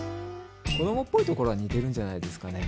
子どもっぽいところは似てるんじゃないですかね。